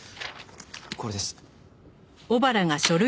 これです。